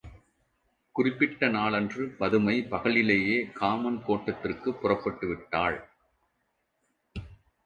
குறிப்பிட்ட நாளன்று பதுமை, பகலிலேயே காமன் கோட்டத்திற்குப் புறப்பட்டு விட்டாள்.